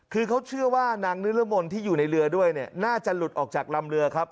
คือเขาเชื่อว่านางนิรมนต์ที่อยู่ในเรือด้วยเนี่ยน่าจะหลุดออกจากลำเรือครับ